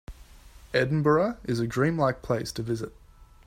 Edinburgh is a dream-like place to visit.